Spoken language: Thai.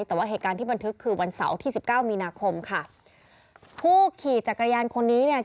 แต่ว่าเหตุการณ์ที่บันทึกคือวันเสาร์ที่สิบเก้ามีนาคมค่ะผู้ขี่จักรยานคนนี้เนี่ย